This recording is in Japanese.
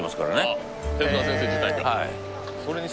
あっ手先生自体が？